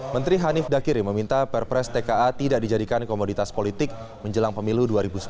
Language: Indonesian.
menteri hanif dakiri meminta perpres tka tidak dijadikan komoditas politik menjelang pemilu dua ribu sembilan belas